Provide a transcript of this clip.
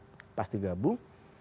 mengemuka satu pertemuan